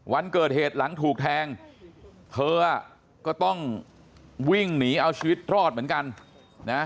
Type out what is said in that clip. วันเกิดเหตุหลังถูกแทงเธอก็ต้องวิ่งหนีเอาชีวิตรอดเหมือนกันนะ